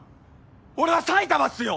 俺は埼玉っすよ